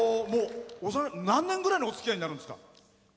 何年ぐらいのおつきあいになるんですか？